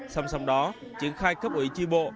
xong xong đó triển khai cấp ủy tri bộ